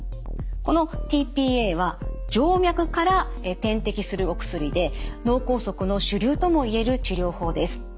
このｔ−ＰＡは静脈から点滴するお薬で脳梗塞の主流とも言える治療法です。